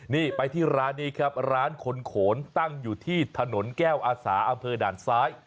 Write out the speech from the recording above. นี่ไปที่ร้านนี้ครับร้านคนโขนตั้งอยู่ที่ถนนแก้วอาสาอำเภอด่านซ้าย